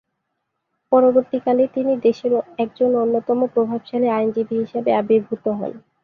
পরবর্তীকালে তিনি দেশের একজন অন্যতম প্রভাবশালী আইনজীবী হিসেবে আবির্ভূত হন।